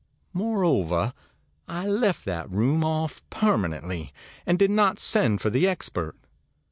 Moreover, I left that room off permanently, and did not send for the expert.